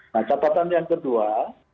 nah catatan yang kedua